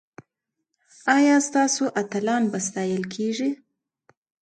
ایا ستاسو اتلان به ستایل کیږي؟